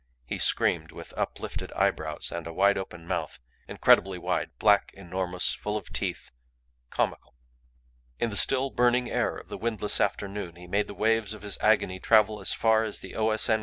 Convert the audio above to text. He screamed with uplifted eyebrows and a wide open mouth incredibly wide, black, enormous, full of teeth comical. In the still burning air of the windless afternoon he made the waves of his agony travel as far as the O. S. N.